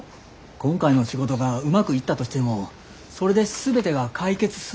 今回の仕事がうまくいったとしてもそれで全てが解決するわけやありません。